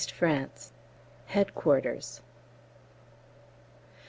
France Headquarters.